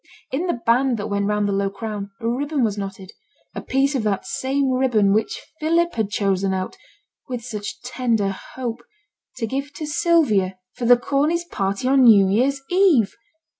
In the band that went round the low crown, a ribbon was knotted; a piece of that same ribbon which Philip had chosen out, with such tender hope, to give to Sylvia for the Corneys' party on new year's eve.